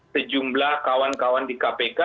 sejumlah kawan kawan di kpk